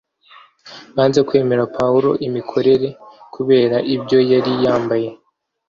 Banze kwemerera Pawulo imikorere kubera ibyo yari yambaye